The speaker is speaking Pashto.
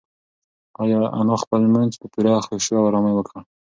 انا خپل لمونځ په پوره خشوع او ارامۍ وکړ.